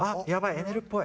エネルっぽい。